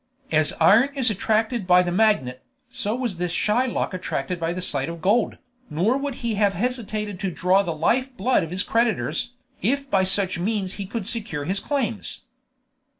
As iron is attracted by the magnet, so was this Shylock attracted by the sight of gold, nor would he have hesitated to draw the life blood of his creditors, if by such means he could secure his claims.